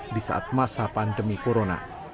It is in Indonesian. di saat masa pandemi corona